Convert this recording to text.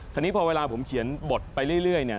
ทีนี้พอเวลาผมเขียนบทไปเรื่อยเนี่ย